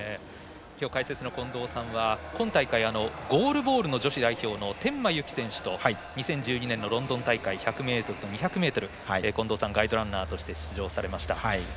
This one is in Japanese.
きょう解説の近藤さんは今大会ゴールボールの女子代表の天摩由貴選手とロンドン大会で１００ｍと２００ｍ近藤さん、ガイドランナーとして出場されました。